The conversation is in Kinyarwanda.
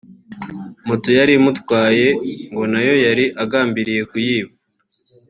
Moto yari imutwaye ngo na yo yari agambiriye kuyiba